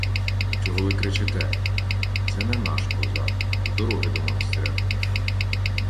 — Чого ви кричите?! Це не наш козак, дороги до монастиря питає.